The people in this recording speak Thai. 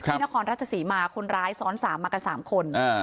นี่นครรัชศรีมาคนร้ายซ้อนสามมากันสามคนอ่า